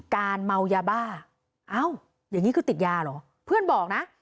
เมายาบ้าเอ้าอย่างนี้คือติดยาเหรอเพื่อนบอกนะ